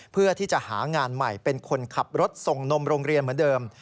เพื่อที่จะหางานใหม่เป็นคนขับรถส่งนมโรงเรียนเหมือนเดิม